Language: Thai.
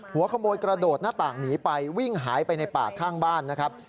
หัวขโมยกระโดดหน้าต่างหนีไปวิ่งหายไปในป่าข้างบ้านนะครับ